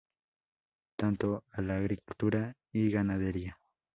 Tanto ala agricultura Y Ganadería.